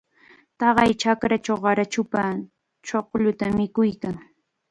Taqay chakrachaw qarachupam chuqlluta mikuykan.